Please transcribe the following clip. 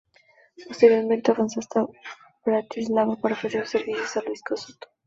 Posteriormente avanzó hasta Bratislava para ofrecer sus servicios a Luis Kossuth.